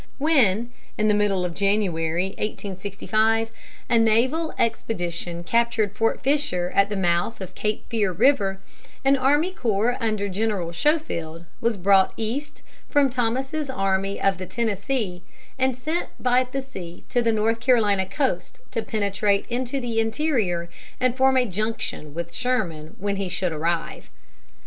When, in the middle of January, 1865, a naval expedition captured Fort Fisher at the mouth of Cape Fear River, an army corps under General Schofield was brought east from Thomas's Army of the Tennessee, and sent by sea to the North Carolina coast to penetrate into the interior and form a junction with Sherman when he should arrive.